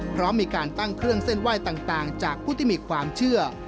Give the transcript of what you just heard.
พร้อมมีการตั้งเครื่องเส้นไหว้ต่างจากผู้ที่มีความเชื่อ